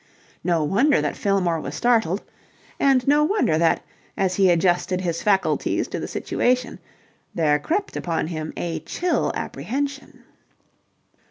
No wonder that Fillmore was startled. And no wonder that, as he adjusted his faculties to the situation, there crept upon him a chill apprehension.